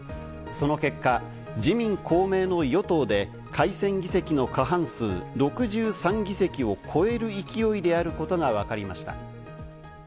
その結果、自民・公明の与党で改選議席の過半数、６３議席を超える勢いであることがわかりました。